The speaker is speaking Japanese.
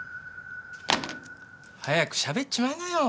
早くしゃべっちまいなよ